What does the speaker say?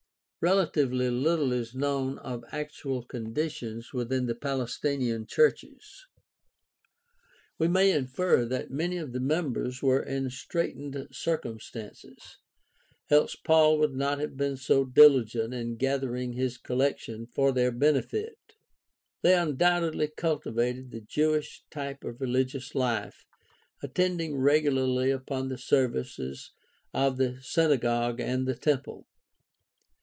— Relatively little is known of actual conditions within the Palestinian churches. We may infer that many of the members were in straightened circumstances, else Paul would not have been so diligent in gathering his collection for their benefit. They undoubtedly cultivated the Jewish type of religious life, attending regularly upon the services of the synagogue and the temple.